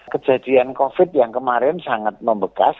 kejadian covid yang kemarin sangat membekas